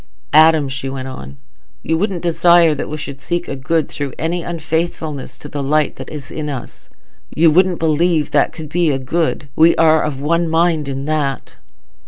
"Adam," she went on, "you wouldn't desire that we should seek a good through any unfaithfulness to the light that is in us; you wouldn't believe that could be a good. We are of one mind in that."